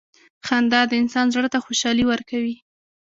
• خندا د انسان زړۀ ته خوشحالي ورکوي.